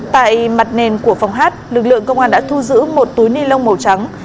tại mặt nền của phòng hát lực lượng công an đã thu giữ một túi nilon màu trắng